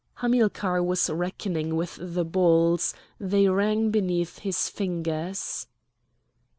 Hamilcar was reckoning with the balls; they rang beneath his fingers.